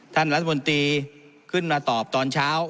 ท่านรัฐมนตรีขึ้นมาตอบตอนเช้า